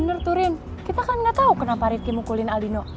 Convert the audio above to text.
mbak karim kita kan gak tau kenapa rifki mukulin alino